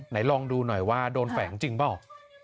ลองดูหน่อยว่าโดนแฝงจริงเปล่า